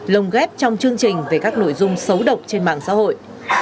lồng ghép trong chương trình về các nội dung xấu độc trên mạng xã hội